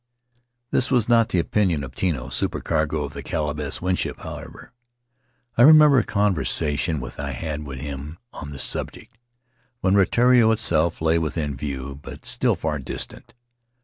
This was not the opinion of Tino, supercargo of the Caleb S. Winship, however. I remember a conversa tion which I had with him on the subject, when Rutiaro itself lay within view, but still far distant.